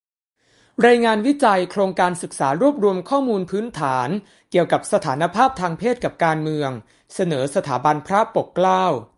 รายงานวิจัย โครงการศึกษารวบรวมข้อมูลพื้นฐานเกี่ยวกับสถานภาพทางเพศกับการเมือง - เสนอ สถาบันพระปกเกล้า